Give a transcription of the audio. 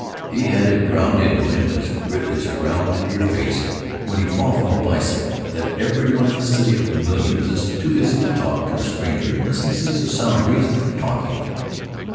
He had it ground into him, as grit is ground into your face when you fall from a bicycle, that every one in a city of millions is too busy to talk to a stranger unless he sees a sound reason for talking.